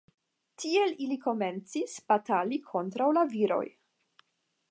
Tiel ili komencis batali kontraŭ la viroj.